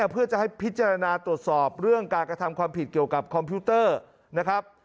เพื่อจะให้พิจารณาตรวจสอบเรื่องการกระทำความผิดเกี่ยวกับคอมพิวเตอร์นะครับ